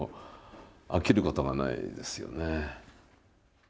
飽きることがないですよね。